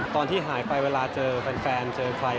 ตอนที่หายไปเวลาเจอแฟนเจอใคร